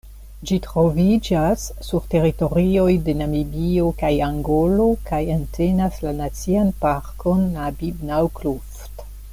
Ĝi troviĝas sur teritorioj de Namibio kaj Angolo kaj entenas la Nacian Parkon Namib-Naukluft.